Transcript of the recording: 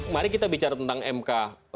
mari kita bicara tentang mk